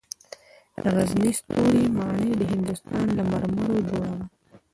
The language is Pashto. د غزني ستوري ماڼۍ د هندوستان له مرمرو جوړه وه